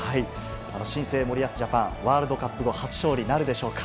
新生森保ジャパン、ワールドカップ後初勝利なるでしょうか。